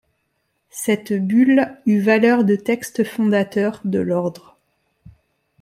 Cette bulle eut valeur de texte fondateur de l'Ordre.